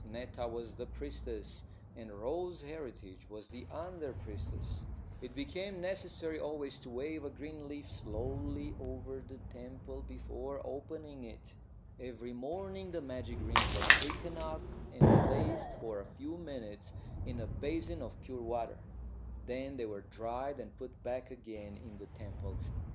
Netta was the priestess and Rose Heritage was the under priestess. It became necessary always to wave a green leaf slowly over the temple before opening it. Every morning the magic rings were taken out and placed for a few minutes in a basin of pure water. Then they were dried and put back again in the temple.